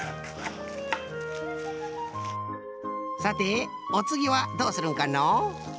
さておつぎはどうするんかのう？